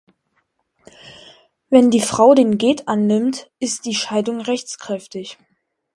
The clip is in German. Wenn die Frau den Get annimmt, ist die Scheidung rechtskräftig.